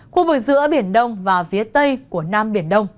khu vực giữa biển đông và phía tây của nam biển đông